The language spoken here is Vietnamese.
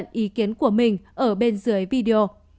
bình luận ý kiến của mình ở bên dưới video